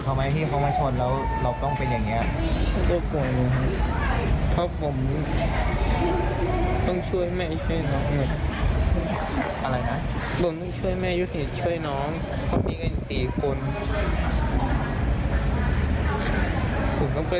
ผมก็ไปสุ่มน้อมตั้งแต่ไม่อยากไป๒กิโลอัตร๓